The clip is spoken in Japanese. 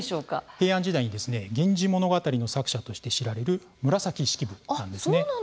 平安時代「源氏物語」の作者として知られる紫式部です。